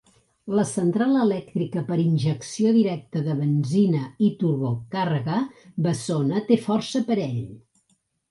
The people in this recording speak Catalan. La central elèctrica per injecció directa de benzina i turbocàrrega bessona té força parell.